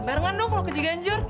barengan dong loh ke ciganjur